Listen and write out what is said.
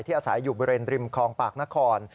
อาศัยอยู่บริเวณริมคลองปากนคร